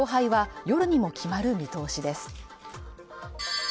勝敗は夜にも決まる見通しです。